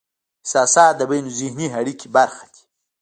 احساسات د بینالذهني اړیکې برخه دي.